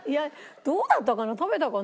どうだったかな？